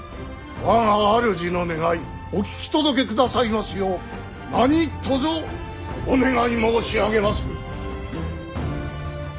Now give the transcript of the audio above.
我が主の願いお聞き届けくださいますよう何とぞお願い申し上げまする。